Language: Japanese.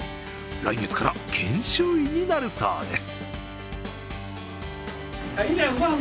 来月から研修医になるそうです。